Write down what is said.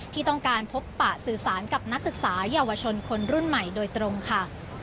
ที่ต้องการพบปะสื่อสารกับนักศึกษาเยาวชนคนรุ่นใหม่โดยตรงค่ะ